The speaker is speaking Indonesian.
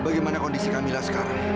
bagaimana kondisi kamila sekarang